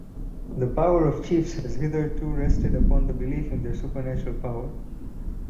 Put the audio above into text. The power of chiefs has hitherto rested upon the belief in their supernatural power.